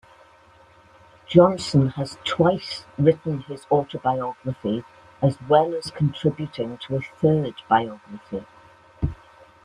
Johnson has twice written his autobiography as well as contributing to a third biography.